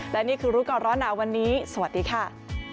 และนี่คือรู้ก่อนร้อนหนาวันนี้สวัสดีค่ะ